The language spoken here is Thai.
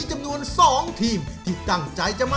วันไม่สวยงาน